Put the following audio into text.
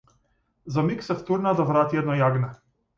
За миг се втурна да врати едно јагне.